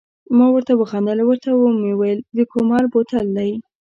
ما ورته و خندل، ورته مې وویل د کومل بوتل دی.